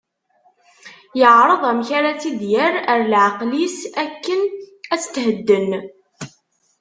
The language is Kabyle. Yeɛreḍ amek ara tt-id-yerr ar leɛqel-is, akken ad tethedden.